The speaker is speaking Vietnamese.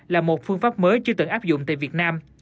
là một phương pháp mới chưa từng áp dụng tại việt nam